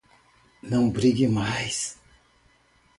Não brigue mais